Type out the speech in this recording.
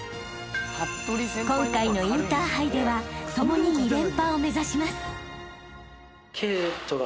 ［今回のインターハイでは共に２連覇を目指します］